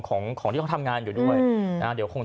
ตอนนี้ยังไม่ได้นะครับ